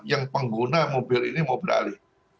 yang pengguna mobil ini mau beralih